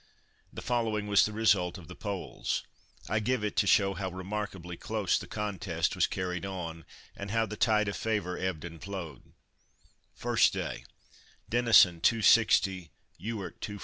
The following was the result of the polls. I give it to show how remarkably close the contest was carried on, and how the tide of favour ebbed and flowed: 1st day Denison, 260; Ewart, 248.